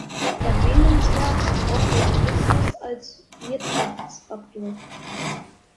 Erwähnenswert ist auch der Tourismus als Wirtschaftsfaktor.